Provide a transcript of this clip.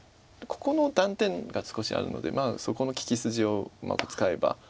ここの断点が少しあるのでそこの利き筋をうまく使えば。